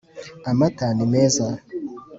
amata nimeza